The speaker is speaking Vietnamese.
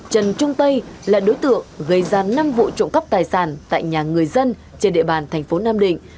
trần trung tây là đối tượng gây ra năm vụ trộm cắp tài sản tại nhà người dân trên địa bàn thành phố nam định